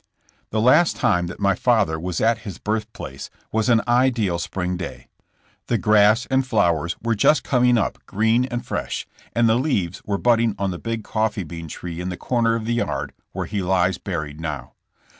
The last time that my father was at his birth place was an ideal spring day. The grass and flowers were just coming up green and fresh, and the leaves were budding on the big coffee bean tree in the corner of the yard where he lies buried now.